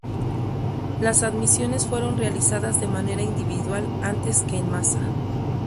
Las admisiones fueron realizadas de manera individual, antes que en masa.